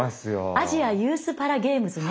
アジアユースパラゲームズね。